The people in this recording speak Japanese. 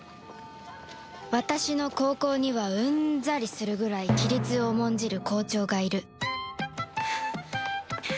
私の高校にはうんざりするぐらい規律を重んじる校長がいる